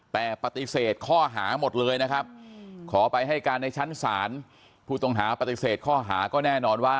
แต่ปฏิเสธข้อหาหมดเลยนะครับขอไปให้การในชั้นศาลผู้ต้องหาปฏิเสธข้อหาก็แน่นอนว่า